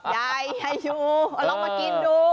ใหญ่ใหญ่อยู่เอาลองมากินดู